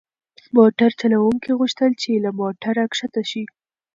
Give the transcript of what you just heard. موټر چلونکي غوښتل چې له موټره کښته شي.